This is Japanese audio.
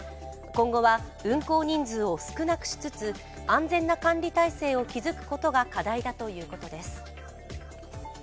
今後は運航人数を少なくしつつ、安全な管理体制を築くことが課題だということです。